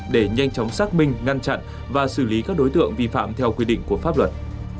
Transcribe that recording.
để nhanh chóng xác minh ngăn chặn và xử lý các đối tượng vi phạm theo quy định của pháp luật